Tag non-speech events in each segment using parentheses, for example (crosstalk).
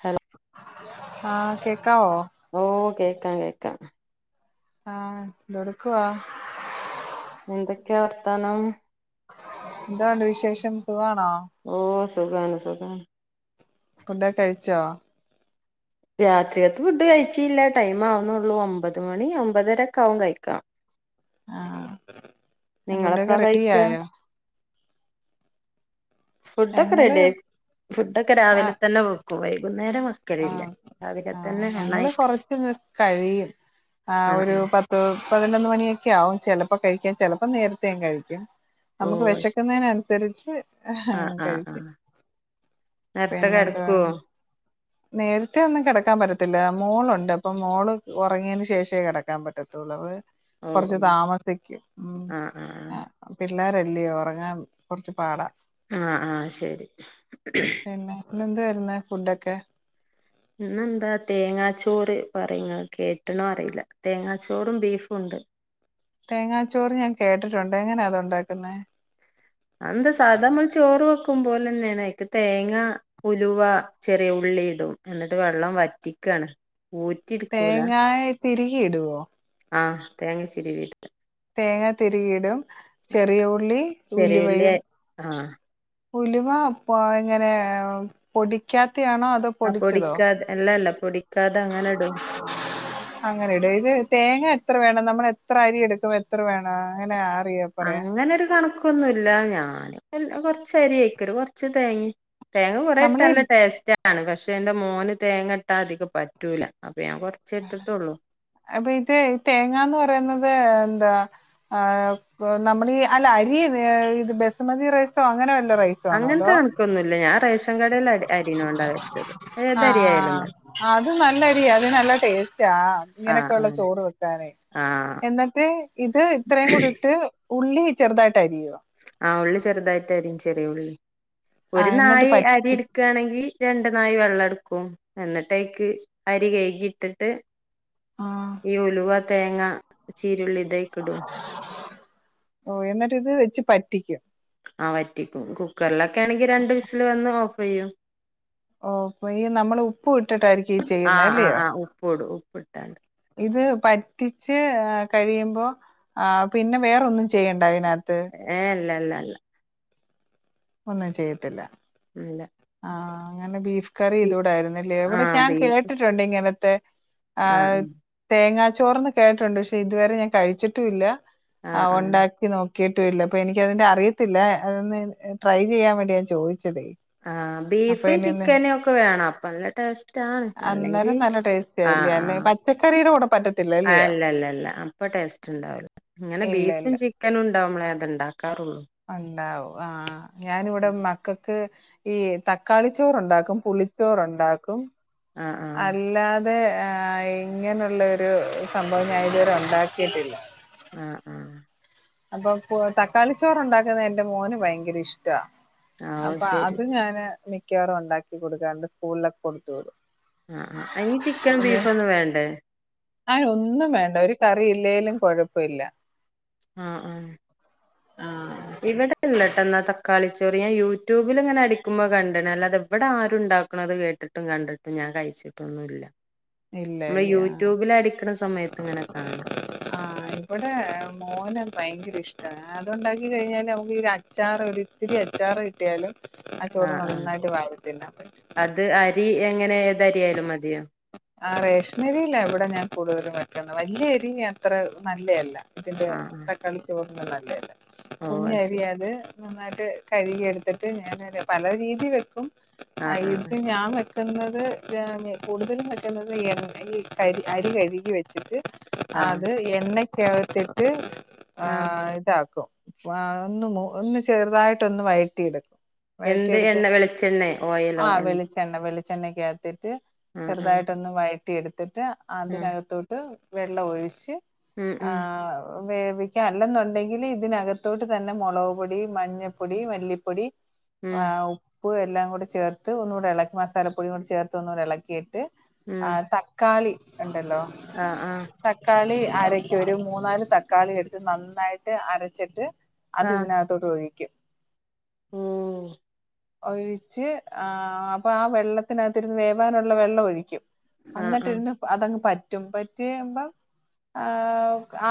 Hello ആ കേ ക്കാവോ ഓ കേക്കാം കേക്കാം ആ എന്തൊടുക്കുവാ എന്തൊക്കെയാ വർത്താനം എന്തോയുണ്ട് വിശേഷം സുഖവാ ആ ഓ സുഖാണ് സുഖാണ് ഫുഡൊകെ കഴിച്ചോ? രാത്രിൽതെ ഫുഡ് കഴിച്ചില്ല. ടൈം ആവുന്നുള്ളൂ. ഒമ്പത് മണി ഒമ്പതരക്കെ ആവും കഴിക്കാം. ആഹ് നിങ്ങൾ ഫുഡൊക്കെ എപ്പയ റെഡി കയിക്ക ആയോ ഫുഡോക്കേ ഞങ്ങള് റെഡി ആയി ഫുഡോക്കേ രാവിലെ തന്നെ വെ ഉ വൈബ് ആ.. ആ.. ഞങ്ങള് ഒന്നായിട്ട് കൊറച്ച് കഴിയും. ആ.. ഒരു പത്ത് പതിനൊന്ന് മണിയൊക്കെ ആവും. ചെലപ്പോ കഴിക്കാൻ ചെലപ്പോ നേരത്തെയും കഴിക്കും. ഓ നമുക്ക് ശരി വെശക്കുന്നതിന് അനുസരിച്ച്.. ഹ.. ആ ആ ആ കഴിക്കും. നേരത്തെ പിന്നെ കിടക്കുവോ എന്തുവാണ്? നേരത്തെ ഒന്നും കെടക്കാൻ പറ്റത്തില്ല. മോളുണ്ട്. അപ്പൊ മോള് ഒറങ്ങിയന് ശേഷേ കെടക്കാൻ പറ്റത്തോള് ഓ ഓ കൊറച്ച് താമസിക്കും. ഉം.. ആ.. ല്ലാരല്ലേ ഉറങ്ങാൻ കുറച്ചു പാട ആ.. ആ.. ശരി. ന്ന് എന്ത് വാരുന്ന് ഫുഡൊക്കെ? ഇന്നെന്താ തേങ്ങാച്ചോറ് പറയിംഇങ്ങൾ കേട്ട്ണൊ അറിയില തേങ്ങാച്ചോറും ബീഫും ണ്ട്. തേങ്ങാച്ചോറ് ഞാൻ കേട്ടിട്ടുണ്ട്. എങ്ങനാ അത് ഉണ്ടാക്കുന്നേ അന്ത സാദാ മ്മൾ ചോറ് വെക്ക് ക്കും പോലെ ന്നെയാണ്. ക്ക് തേങ്ങ ഉലുവ, ചെറിയ ഉള്ളി ഇടും. എന്നിട്ട് വെള്ളം വറ്റിക്കണ്. ഓറ്റിടുക്കൂല തിരികെ ഇടുവോ? അ... തേങ്ങച്ചിരിവിടും. തേങ്ങ തിരികീടും. ചെറിയ ഉള്ളി ചെറിയുള്ളി ഉലുവയും. ആഹ് ഉലുവ എങ്ങനെ പൊടിക്കാ ആ പൊടിക്കാതെ അല്ലല്ല പൊടി അങ്ങനിടും ഇത് തേങ്ങ എത്ര വേണം നമ്മൾ എ എത്ര അരി എടുക്കും? എത്ര വേണം? അങ്ങനെ ആ അങ്ങനൊരു കണക്കു നൊന്നുല്ല ഞാന് കൊറച്ച് അരി അയിക്കൊരു കൊറച്ച് തേങ്ങിം തേങ്ങ കുറേ നമ്മളീ ഇട്ടാല്ല ടേസ്റ്റ ആണ് പക്ഷെ എന്റെ മോന് തേങ്ങയിട്ടാ അതിക്ക് പറ്റൂല. ഞാൻ കൊറച്ചേ ഇട്ടിട്ടുള്ളൂ അപ്പൊ, ഇത് ഈ തേങ്ങാന്ന് പറയുന്നത് എന്താ ആഹ് പ്പൊ നമ്മളി അല്ല അരി ഇത് ബസുമതി റൈസൊ അങ്ങനെ വല്ല അങ്ങനത്തെ കണക്കൊന്നുല്ല ഞാൻ പൈസ് ആഹ് ഏതരിയായാലും മതി ആഹ് അത് നല്ലരിയാ അത് നല്ല ടേസ്റ്റ് ആ ഇങ്ങനെയൊക്കെ ആഹ് ഉള്ള ആഹ് ചോറ് വെക്കാനേ ആഹ് എന്നിട്ട് ഇത് ഇത്രയും കൂടിട്ട്. ഉള്ളി ചെറുതായി ആ ഉള്ളി ചെറുതായിട്ടരിയും ചെറിയ ഉള്ളി ഒരു ആഹ് എന്നിട്ട് നായ് അരി പറ്റി എടുക്കുകയാണെങ്കിൽ രണ്ട് നായ് വെള്ളം എടുക്കും. ക്കും എന്നിട്ട് അതിക്ക് അരി കഴകി ഇട്ടിട്ട്. ആഹ് ഈ ഉലുവ തേങ്ങ ചീരുള്ളി ദയ്ക്കിടും. ഓ എന്നിട്ട് ഇത് വെച്ച് പറ്റിക്കും. ആ വറ്റിക്കും കുക്കറിലൊക്കെ ആണെങ്കിൽ രണ്ട് വിസിൽ വന്ന് ഓഫ് ചെയ്യും. ഓപ്പൊ ഈ നമ്മൾ ഉപ്പ് ഇട്ടിട്ടായിരിക്കും ഈ ചെയ്യുന്ന ആഹ് ആഹ് അല്ലയോ ആഹ് ഉപ്പൂടും ഉപ്പിട്ടാണ്ട് ഇത് പറ്റിച്ച് കഴിയുമ്പോൾ ആഹ് പിന്നെ വേറൊന്നും ചെയ്യണ്ട അതിനക ഏഹ് അല്ല അല്ല (unintelligible) ഒന്നും ചെയ്യത്തില്ല. ഇല്ല. ആഹ അങ്ങനെ ബീഫ് കറി ബി ഇതൂടായിരുന്നില്ലേ എവിടെ ആഹ് ഞാൻ ബീഫ് കേട്ടിട്ടുണ്ട് ഇങ്ങനെ. ടേ ആ ആഹ് തേങ്ങാ ചോറന്ന് കേട്ടുണ്ട് പക്ഷെ ഇതുവരെ ഞാൻ കഴിച്ചിട്ടുംല്ല ആ ആഹ് ആഹ് ഒണ്ടാക്കി നോക്ക കേട്ടൂല്ല അപ്പൊ എനിക്കതിന്റെ അറിയത്തില്ല. അതൊന്ന് ട്രൈ ചെയ്യാൻ വേണ്ടി ഞാൻ ചോയി ച്ചതേ. ആ ബീഫ്, ചിക്കന് ഒക്കെ വേണം. അപ്പ നല്ല ടേസ്റ്റ് ആണ്. അല്ലെങ്കി അന്നേരം നല്ല ടേസ്റ്റ് ആ ആയില്ലേ ആ അല്ലെ പച്ചക്കറിയുടെ കൂടെ പറ്റത്തില്ല ആ അല്ലയോ അല്ലല്ല അല്ല അപ്പൊ ടേസ്റ്റ് ഉണ്ടാവുല്ല ഇങ്ങനെ ബീഫും ചിക്കനും. നമ്മളെ അത്ണ്ടാ ഒണ്ടാവും. ആ ഞാനിവിടെ മക്കക്ക് ഈ തക്കാളിച്ചോറ് ഉണ്ടാക്കും. പുളിച്ചോറ്ണ്ടാക്കും. ആഹ് ആഹ് അല്ലാതെ ആ ഇങ്ങനെയുള്ളരു സംഭവം ഞാൻ ഇതുവരെ ഒണ്ടാക്കിയിട്ടില്ല. ആ ആ അപ്പൊ പൊ തക്കാളി ചോറ് ഇണ്ടാക്ക്ന്നെ എന്റെ മോന് ഭയങ്കര ഇഷ്ടാ. ആഹ് ഓ അപ്പൊ ശരി അത് ഞാന് നി മിക്കറും ഉണ്ടാക്കി കൊടുക്കാണ്ട് സ്കൂളിലക്കെ കൊടുത്തുടൂ ആഹ് ആ അതിന് ചിക്കനും ബീഫും ഒന്നും വേണ്ടേ ആയൊന്നും ഒന്നും വേണ്ട ഒരു കറിയില്ലേലും കുഴപ്പമില്ല ആഹ ആഹ ആഹ ഇവിടെ ഇല്ലട്ട എന്നാ തക്കാളി ചോറ് ഞാൻ യൂട്യൂബിൽ ഇങ്ങനെ അടിക്കുമ്പോ കണ്ടണ അല്ല അത് ഇവിടെ ആരുണ്ടാക്കണത് കേട്ടിട്ടും കണ്ടിട്ടും ഞാൻ കഴിച്ചിട്ടൊന്നുമല്ല. ഇല്ല ഇല്ലേ ആ സമയത്ത് ഇങ്ങനെ കാണാം ആഹ ഇവിടെ മോന് ഭയങ്കര ഇഷ്ട. അത് ഉണ്ടാക്കികഴിഞ്ഞാൽ നമുക്ക് അച്ചാറ് ഒരിത്തിരി അച്ചാറ് കിട്ടിയാലും ആ ചോറ് ആഹ ആഹ നന്നായിട്ട് വാരി തിന്നാൻ പറ്റും അത് അരി. എങ്ങനെ ഏത് അരിയായാലും മതിയോ ആ റേഷൻ അരിയില ആ ഇവിടെ ഞാൻ കൂടുതലും വെക്കുന്നേ വലിയ അരി അത്ര നല്ലതല്ല. ഇതിന്റെ ആഹ് ആഹ് തക്കാളി ചോറ് നല്ല അല്ലെ (inaudible) ഓ കുഞ്ഞ അത് ശരി അറിയത നന്നായിട്ട് കഴുകി എടുത്തിട്ട് ഞാൻ പല രീതി വെക്കും അ ആഹ് ആഹ് ഇത് ഞാൻ വെക്കു ന്നത് ഞാന് (inaudible) അത് എണ്ണക്കകത് എഴുപത്തിഎ ആഹ് ആഹ് ട്ട് ആഹ് ആഹ ഇതാക്കും ഒന്ന് ഒന്ന് ചെറുതായിട്ട് ഒന്ന് വയറ്റി ഇഡും എന്ത് എണ്ണ വെളിച്ചെണ്ണ. ഓയിലോ? എണ്ണയ്ക്കാത്തിട്ട് ആ ആ ചെറുതായിട്ട് ഒന്ന് വയറ്റി എടുത്ത് എന്നിട്ട് ആ അതിനകത്തോട്ട് വെള്ളം ഒഴിച്ച് ഉം ഉം ആഹ് വേവിക്കൻ അല്ലെന്നുണ്ടെങ്കിൽ ഇതിനകത്തോട്ട് തന്നെ മുളക് പൊടി മഞ്ഞപ്പൊടി മല്ലിപ്പൊടി ഉം (unintelligible) ഉപ്പ്, എല്ലാം കൂടി ചേർത്ത് ഒന്നുകൂടി ഇളക്കി മസാല പൊടിയും കൂടി ചേർത്ത് ഒന്നൂടെ ഇളക്കി ഉം ആ തക്കാളി ട്ടല്ലൊ ആ ആ തക്കാളി അരക്കൊരു മൂന്നാല് തക്കാളി എട്ത്ത് നന്നായിട്ട് അരച്ചിട്ട് അത് ഇതിനകത്തോട്ട് ഒഴിക്കും ഉം ഒഴിച്ച് ആ അപ്പൊ ആ വെള്ളത്തിനകത്തിര്ന്ന് വേവാനുള്ള വെള്ള ള്ളം ഒഴിക്കും ആ അന്നട്ട് ആ ഇര്ന്ന് അതങ്ങ് പാ റ്റും പറ്റി കഴിമ്പം ആ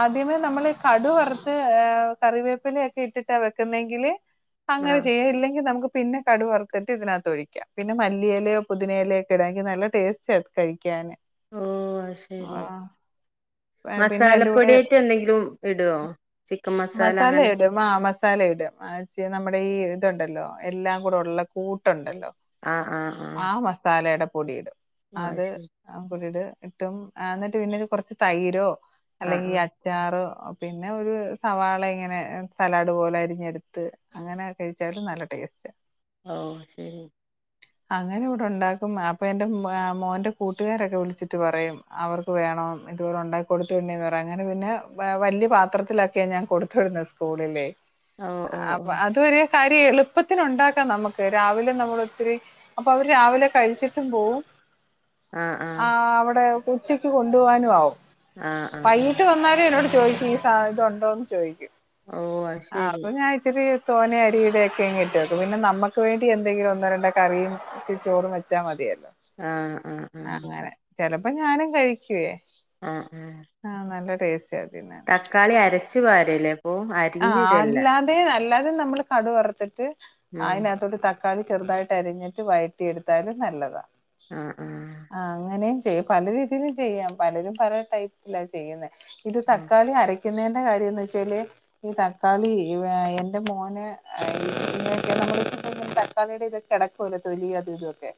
ആദ്യമേ നമ്മൾ കടുവറുത്ത് ഏ കറിവേപ്പിലെക്കെ ഇട്ടിട്ടാ വെക്കുന്നെങ്കില് ആ അങ്ങനെ ചെയ്യ ഇല്ലെങ്കി നമുക്ക് പിന്നെ കടുവറുത്തിട്ട് ഇതിനാത്ത് ഒഴിക്കാം പിന്നെ മല്ലിയെലെയോ പൊതിനേലെയൊക്കെ ഇടാ എങ്കി നല്ല ടെ ടേസ്റ്റാ ഇത് കഴിക്കാന് ഓ ശരി ആ പിന്നെ അയിന്റെ കൂടെ മസാലപ്പൊടിയായിട്ട് എന്തെങ്കിലും ഇടോ ചിക്കം മസാല അങ്ങനെ സാല ഇടും ആ ച്ചെ നമ്മുടെ ഈ തുണ്ടല്ലോ എല്ലാം കൂടെ ഉള്ള കൂട്ട്ണ്ടല്ലോ ആ മസാല ഇടും പൊടിയിടും ആ അത് ശരി (unintelligible) ടിട് കിട്ടും ആ ന്നിട്ട് പിന്നെ ഒര് കൊർച്ച് തൈരോ ആ അല്ലെങ്കി ഈ ആ അച്ചാറോ പിന്നെ ഒരു സവാള ഇങ്ങനെ സലാഡ് പോലെ അരിഞ്ഞെടുത്ത് അങ്ങനെ കഴിച്ചാലും നല്ല ടേസ്റ്റാ ഓ ശരി അങ്ങനെ ഇവ്ടെ ഉണ്ടാക്കും അപ്പ എന്റെ മ് മ് അ മോന്റെ കൂട്ടുകാരൊക്ക വിൾച്ചിട്ട് പറയും അവർക്ക് വേണോം ഇത് പോലെ ഉണ്ടാക് കൊട്ത്ത് വിടണെന്ന് പറയും അങ്ങനെ പിന്നെ വ വല്ല്യ പാത്രത്തിലാക്ക്യാ ഞാൻ കൊട്ത്ത് വിട്ന്നത് സ്കൂളിലേ ഓ ഓ ഓ അപ്പൊ അതുവരെ കാര്യ ആ അവ്ടെ ഉ ഉച്ചയ്ക്ക് കൊണ്ടുപോവാനും ആവും ആ ആ ആ വൈകീട്ട് വന്നാലും എന്നോട് ചോ ചോയ്ക്കും ഈ സാ ഇത് ഒണ്ടോന്ന് ചോയ്ക്കും ഓ അത് ആ ശരി അപ്പൊ ഞാ ഇച്ചിരി തോനെ അരിയിടെക്കെങ്ങ് ഇട്ട് വെക്കും പിന്നെ നമ്മക്ക് വേണ്ടി എന്തെങ്കിലു ഒന്നോ രണ്ടൊ കറിയിം ഇച്ചിരി ചോറും വെച്ചാ മതിയല്ലോ ആ ആ ആ ചെലപ്പൊ ഞാനും കഴിക്കുവേ ആ ആ ടേസ് തക്കാളി അര ച്ച് പാരല്ലേ അപ്പൊ ആ അരിഞ്ഞിടല്ല അല്ലാതെ നല്ല- അത് നമ്മള് കടു വറത്തിട്ട്- ഉം അയിനാത്തോട്ട് തട്ടി തക്കാളി ചെറുതായിട്ട് അരിഞ്ഞിട്ട് വയറ്റി എടുത്താലും നല്ലതാ ആ ആ ആഹ് അങ്ങനെം ചെ പല രീതിയിലും ചെയ്യാം പലരും പല ടൈപ്പില ചെയ്യുന്നെ ഇത് ആ തക്കാളി അരക്ക ക്കിന്നേന്റെ കാര്യംന്ന് വെച്ചാല് ഈ തക്കാളി എന്റെ മോന് നമ്മള തക്കാളിയുടെ ഇത് കിടക്കുവല്ലോ തൊലി അതു ഇതൊക്കെ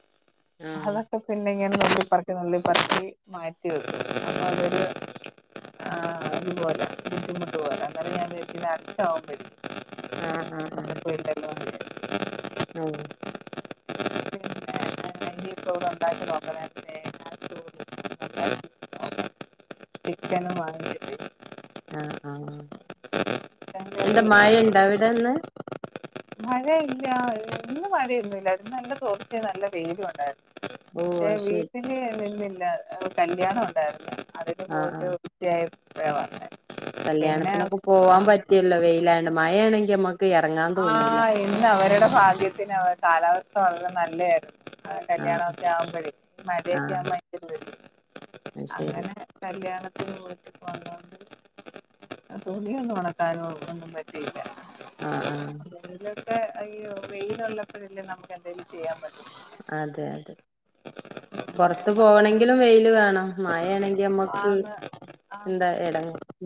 ആ അതൊക്കെ പിന്നെ ഇങ്ങനെ നുള്ളിപ്പിറക്കി നുള്ളിപ്പിറക്കി മാ അപ്പൊ അതൊരു അതുപോലെ ബുദ്ധിമുട്ട് പോലെ അങ്ങനെ ഞാൻ (unintelligible) ആഹ് ആഹ് ആഹ് കുഴപ്പമില്ലല്ലോ എന്ന് വിചാരിക്കും ഓ പിന്നെ (inaudible) ചിക്കനും വാങ്ങിച്ചിട്ട് ആഹ് ആഹ് ചിക്കൻ എന്താ കറി മഴണ്ടാ എവിടന്ന് മഴ ഇല്ല ഇന്ന് മഴയൊന്നുംല്ലായി നല്ല തോർച്ചയ നല്ല വെയിലും ഉണ്ടായിരുന്നു ഓ പക്ഷേ അത് ശരി വീട്ടില് കല്യാണം ഉണ്ടായിരുന്നു അതിന് ആഹ് പോയിട്ട് ആഹ് ഉച്ചയായ ഇപ്പഴാ വന്നേ കല്യാണത്തിനൊക്കെ പോവാൻ പറ്റിയല്ലോ വെയിലയോണ്ട് മഴയാണെങ്കി നമ്മക്ക് എറങ്ങാൻ ആ തോന്നൂല ഇന്ന് അവരുടെ ഭാഗ്യത്തിന് അവ കാലാവ (unintelligible) നല്ലേയാരുന്നു ആ കല്യാണ ആഹ് ഒക്കെ ആവുമ്പഴേ മഴയൊക്കെ ആഹ് (unintelligible) അത് ശരി അങ്ങനെ കല്യാണ തുണി ഒന്നും ഒണക്കാനും ഒന്നും പറ്റില്ല ആഹ് ആഹ് അയ്യോ വെയിലോള്ളപ്പഴല്ലേ നമുക്ക് എന്തെലും ചെയ്യാ അതെ അതെ പിന്നെ പൊറത്ത് മക്കൾ പോകണങ്കിലും വെയില് വേണം മഴയാണെങ്കി നമ്മക്ക് ആന്ന് ആന്ന് എന്താ ഇട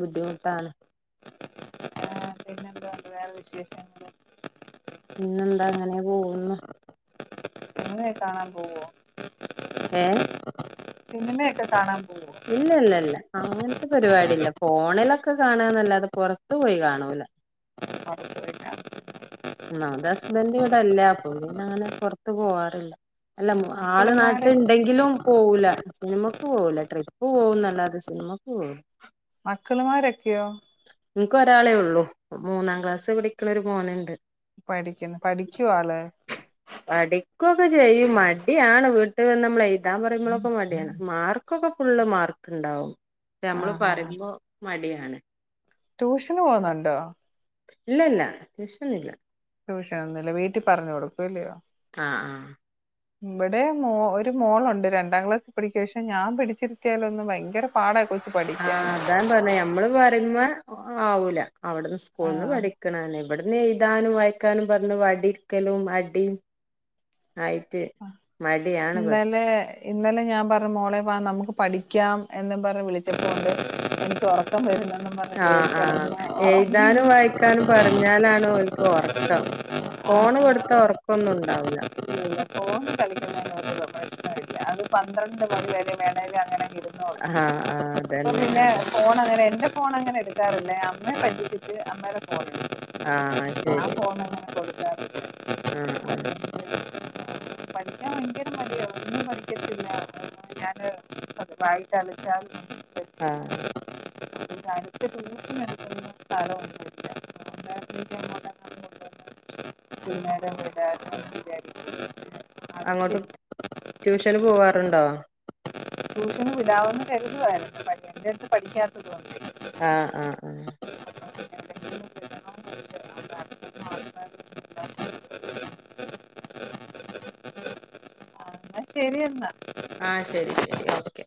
ബുദ്ധിമുട്ടാണ് ആ പിന്നെന്തോവോണ്ട് വേറെ വി ശേഷങ്ങള് പിന്നെന്താ അങ്ങനെ പോകുന്നു മൂവി കാണാൻ പോവോ ഏഹ് സിനിമയൊക്കെ കാണാൻ പോവോ ഇല്ല ഇല്ല ഇല്ല ക്കെ കാണന്നല്ലാതെ പൊറത്തു പോയി കാണൂല പുറത്ത് പോയി കാണാൻ ഇവന്റെ വിടല്ലപ്പം ഞാന് പൊറത്ത് പോവാറില്ല അല്ല ആള് മക്കളുമാരെ നാട്ടിണ്ടെങ്കിലും പോവൂല സിനിമക്ക് പോവൂല ട്രിപ്പ് പോകുന്നല്ലാതെ സിനിമക്ക് പോകുല മക്കള്മാരൊക്കെയോ? നിക്ക് ഒരാളെ ഉള്ളൂ മൂന്നാം ക്ലാസ് പഠിക്കണ ഒരു മോന്ണ്ട് പഠിക്കുന്നു. പഠിക്കുവോ അള്? പഠിക്കുക്കെ ചെയ്യും മടിയാണ് വീട്ടിവന്ന് നമ്മള് എഴുതാൻ പറയുമ്പോളൊക്കെ മടിയാണ് മാർക്കൊക്കെ ഫുള്ള് മാർക്കുണ്ടാവും നമ്മള് ആഹ് ആഹ് പറയുമ്പോ മടിയാണ്. ട്യൂഷന് പോകുന്നുണ്ടോ? ഇല്ല ഇല്ല ട്യൂഷനില്ല ട്യൂഷൻ ഒന്നുവില്ല വീട്ടി പറഞ്ഞു കൊടുക്കൂല്യോ ആ ആ ഇവിടെ മോ ഒരു മോളുണ്ട് രണ്ടാം ക്ലാസ്സിൽ പഠിക്ക പക്ഷെ ഞാൻ പിടിച്ചിരുത്തിയാലും ഒന്ന് ഭയങ്കര പാടായികൊച്ച ആ അതാണ് പറഞ്ഞേ ഞമ്മള് പറയുമ്പോ ആവൂല അവിടുന്ന് സ്കൂളി ന്ന് ആഹ് പഠിക്കണ തന്നെ ഇവിടന്ന് എഴുതാനും വായിക്കാനും പറഞ്ഞു വടിടെക്കലും അടിം ആയിട്ട് മടിയാണ് പഠി ഇന്നലെ ഇന്നലെ ഞാൻ പറഞ്ഞുമോളെ വാ നമുക്ക് പഠിക്കാം എന്നും പറഞ്ഞ് വിളിച്ചപ്പോ ഒണ്ട് എനിക്ക് ഒറക്കം വരുന്നെന്ന് ആ ആഹ് എഴുതാനും വായിക്കാനും പറഞ്ഞാലാണ് ഓൽക്ക് ഒറക്കം ഫോണ് ആഹ് കൊടുത്താ ഒറക്ക ക്കൊന്നും ഒണ്ടാവൂല ഫോൺ കളിക്കുന്നതിന് ഒരു പ്രശ്നമില്ല അത് പന്ത്രണ്ട് മണിവരെ വേണെലു അങ്ങനെ ഇരുന്നോളും ആഹ് ആഹ് ഇപ്പം അതന്നെ പിന്നെ അതെ ഫോണങ്ങനെ എന്റെ ഫോ ഫോൺ അങ്ങനെ എടുക്കാറില്ലേ അമ്മേ പറ്റിച്ചിട്ട് അമ്മടെ ആ ശെരി അങ്ങനെ കൊടുക്കാറില്ല. ആ ആ പഠിക്കാൻ ഭയങ്കര മടിയാ ഒന്നു പഠി പഠിക്കത്തില്ല. ഞാന് വായിട്ട് അലച്ചാൽ ആ പറ്റില്ല ഇവിടെ അടുത്ത് ട്യൂഷൻ എടുക്കുന്ന സ്ഥലവൊന്നു ഇല്ല അതുകൊണ്ട് (unintelligible) ഇച്ചിരി നേരം വിടരുന്നെന്ന് വിചാരിക്കുന്ന് അങ്ങോട്ട് ട്യൂഷന് പോവാ റുണ്ടോ? ട്യൂഷന് വിടാവന്ന് കരുതുവാരുന്ന് എന്റെ അടുത്ത് പഠിക്കാത്തതുകൊണ്ട് ആഹ് ആഹ് ആഹ് (unintelligible) എന്നാ ശെരി എന്നാ ആ ശരി ശരി ഓക്കെ